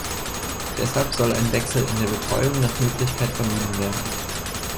Deshalb soll ein Wechsel in der Betreuung nach Möglichkeit vermieden werden.